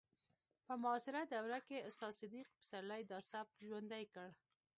په معاصره دوره کې استاد صدیق پسرلي دا سبک ژوندی کړ